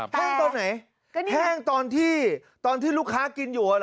แห้งตอนไหนแห้งตอนที่ลูกค้ากินอยู่